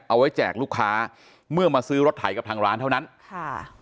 แจกลูกค้าเมื่อมาซื้อรถไถกับทางร้านเท่านั้นค่ะ